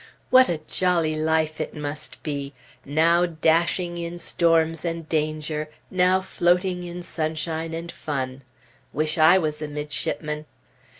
What a jolly life it must be! Now dashing in storms and danger, now floating in sunshine and fun! Wish I was a midshipman!